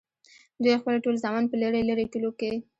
دوي خپل ټول زامن پۀ لرې لرې کلو کښې